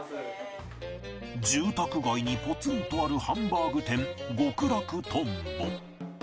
住宅街にポツンとあるハンバーグ店ごくらくとんぼ